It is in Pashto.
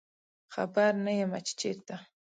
خبر نه یمه چې چیرته